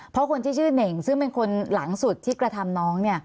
เพราะคนที่ชื่อเน่งซึ่งเป็นคนหลังสุดที่กระทำน้อง